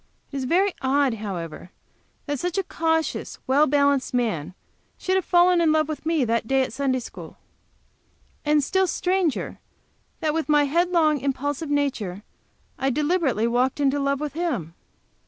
It is very odd, however, that such a cautious, well balanced man should have fallen in love with me that day at Sunday school. And still stranger that with my headlong, impulsive nature, I deliberately walked into love with him!